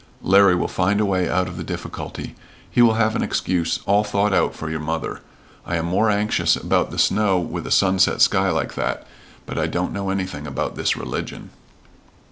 "Larry will find a way out of the difficulty. He will have an excuse all thought out for your mother. I am more anxious about the snow with a sunset sky like that, but I don't know anything about this region."